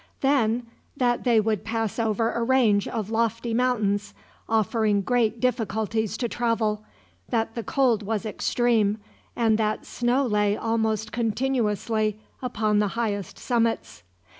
Then that they would pass over a range of lofty mountains, offering great difficulties to travel, that the cold was extreme, and that snow lay almost continuously upon the highest summits.